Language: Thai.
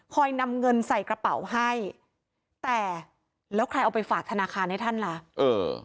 นำเงินใส่กระเป๋าให้แต่แล้วใครเอาไปฝากธนาคารให้ท่านล่ะเออ